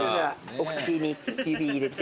お口に指入れて。